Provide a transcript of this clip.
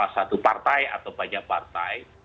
satu partai atau banyak partai